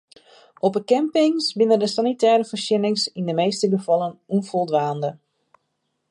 Op de campings binne de sanitêre foarsjenningen yn de measte gefallen ûnfoldwaande.